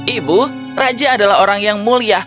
ibu raja adalah orang yang mulia